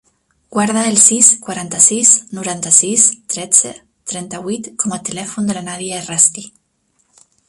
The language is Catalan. Guarda el sis, quaranta-sis, noranta-sis, tretze, trenta-vuit com a telèfon de la Nàdia Errasti.